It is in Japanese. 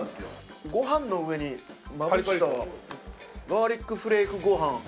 ご飯の上にまぶしたらガーリックフレークご飯的な。